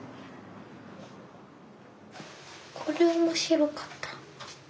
これ面白かった。